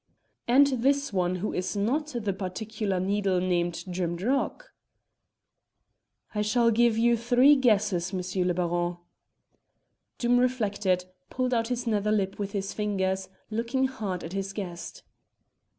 "And this one, who is not the particular needle named Drimdarroch?" "I shall give you three guesses, M. le Baron." Doom reflected, pulled out his nether lip with his fingers, looking hard at his guest.